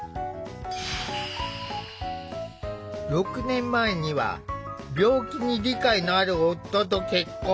６年前には病気に理解のある夫と結婚。